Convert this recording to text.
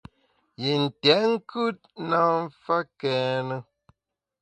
Yi ntèt nkùt na mfa kène.